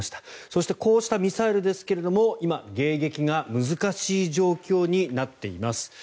そして、こうしたミサイルですが今、迎撃が難しい状況になっています。